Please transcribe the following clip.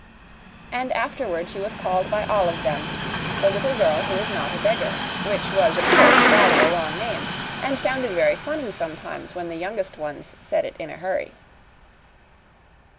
And afterward she was called by all of them, "The little girl who is not a beggar," which was, of course, rather a long name, and sounded very funny sometimes when the youngest ones said it in a hurry.